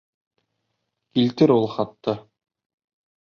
Килтер ул хатты.